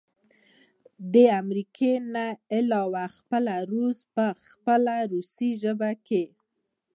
د امريکې نه علاوه پخپله روس په خپله روسۍ ژبه کښې